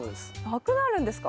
なくなるんですか？